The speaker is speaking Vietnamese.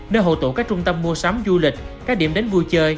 nơi hồ tụ các trung tâm mua sắm du lịch các điểm đến vui chơi